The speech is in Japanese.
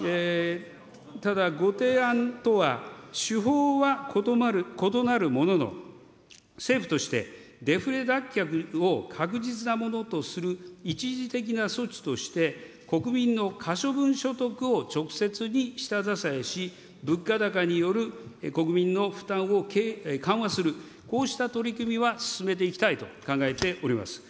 ただ、ご提案とは手法は異なるものの、政府として、デフレ脱却を確実なものとする一時的な措置として、国民の可処分所得を直接に下支えし、物価高による国民の負担を緩和する、こうした取り組みは進めていきたいと考えております。